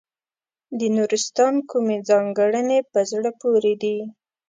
د نورستان کومې ځانګړنې په زړه پورې دي.